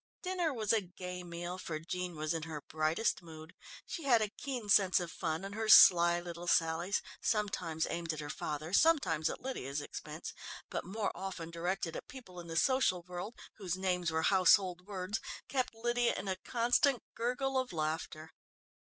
Dinner was a gay meal, for Jean was in her brightest mood. She had a keen sense of fun and her sly little sallies, sometimes aimed at her father, sometimes at Lydia's expense, but more often directed at people in the social world, whose names were household words, kept Lydia in a constant gurgle of laughter.